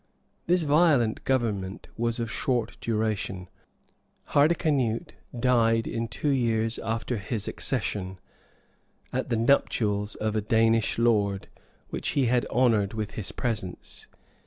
This violent government was of short duration. Hardicanute died in two years after his accession, at the nuptials of a Danish lord, which he had honored with his presence.